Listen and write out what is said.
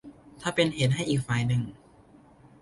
ถ้าเป็นเหตุให้อีกฝ่ายหนึ่ง